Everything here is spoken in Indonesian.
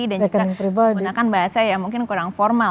dan juga menggunakan bahasa yang mungkin kurang formal